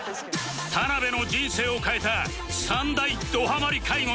田辺の人生を変えた３大どハマり買い物